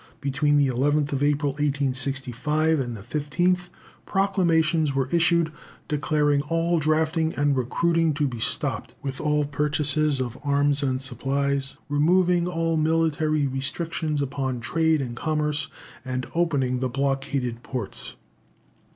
Between the 11th April, 1865, and the 15th, proclamations were issued, declaring all drafting and recruiting to be stopped, with all purchases of arms and supplies, removing all military restrictions upon trade and commerce, and opening the blockaded ports.